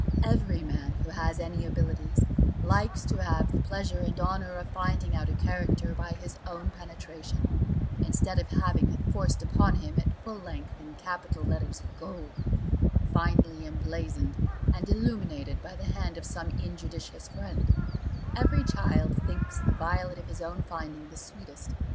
Every man who has any abilities, likes to have the pleasure and honour of finding out a character by his own penetration, instead of having it forced upon him at full length in capital letters of gold, finely emblazoned and illuminated by the hand of some injudicious friend: every child thinks the violet of his own finding the sweetest.